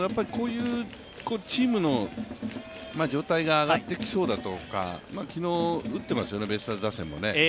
チームの状態が上がってきそうだとか、昨日、打ってますよね、ベイスターズ打線も。